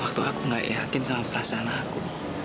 waktu aku gak yakin sama perasaan aku